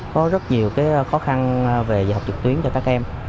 có rất nhiều khó khăn về dạy học trực tuyến cho các em